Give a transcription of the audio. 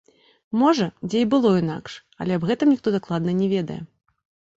Можа, дзе і было інакш, але аб гэтым ніхто дакладна не ведае.